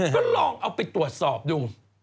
ก็ลองเอาไปตรวจสอบดู